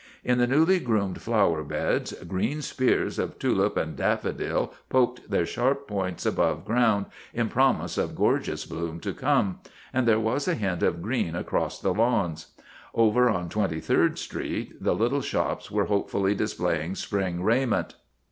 In the 182 THE BLOOD OF HIS FATHERS newly groomed flower beds green spears of tulip and daffodil poked their sharp points above ground in promise of gorgeous bloom to come, and there was a hint of green across the lawns. Over on Twenty third Street the little shops were hopefully display ing spring raiment.